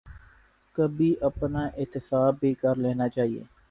کبھی اپنا احتساب بھی کر لینا چاہیے۔